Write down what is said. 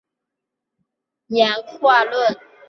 没有较高层级的教会宣言抨击在人类之外的演化论。